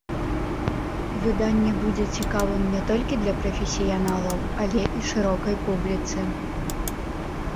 Выданне будзе цікавым не толькі для прафесіяналаў, але і шырокай публіцы.